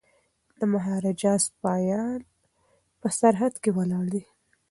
د مهاراجا سپایان په سرحد کي ولاړ دي.